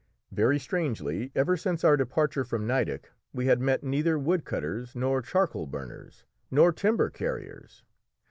Very strangely, ever since our departure from Nideck we had met neither wood cutters, nor charcoal burners, nor timber carriers.